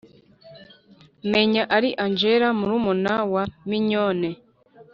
menya ari angela murumuna wa minyone